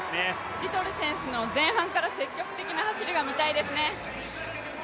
リトル選手の前半から積極的な走りが見たいですね。